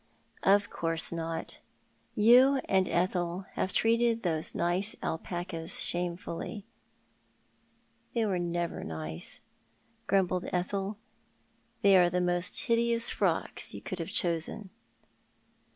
"Of course not. You and Ethel have treated those nice alpacas shamefully." " They never were nice," grumbled Ethel. " They are tho most hideous frocks you could have chosen."